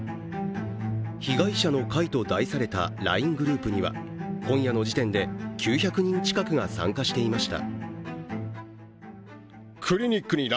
被害者の会と題されたＬＩＮＥグループには今夜の時点で、９００人近くが参加していました。